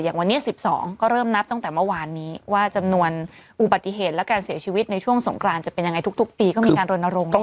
วันนี้๑๒ก็เริ่มนับตั้งแต่เมื่อวานนี้ว่าจำนวนอุบัติเหตุและการเสียชีวิตในช่วงสงกรานจะเป็นยังไงทุกปีก็มีการรณรงค์